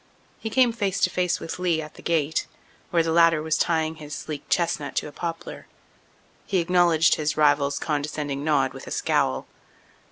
He came face to face with Lee at the gate, where the latter was tying his sleek chestnut to a poplar. He acknowledged his rival's condescending nod with a scowl.